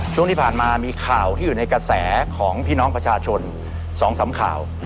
ช่วงที่ผ่านมามีข่าวที่อยู่ในกระแสของพี่น้องประชาชน๒๓ข่าว